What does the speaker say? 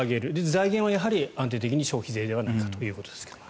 財源はやはり安定的に消費税ではないかということですが。